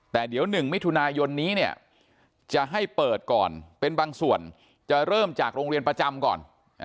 แต่เดี๋ยว๑มิถุนายนนี้เนี่ยจะให้เปิดก่อนเป็นบางส่วนจะเริ่มจากโรงเรียนประจำก่อน